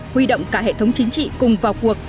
huy động cả hệ thống chính trị cùng vào cuộc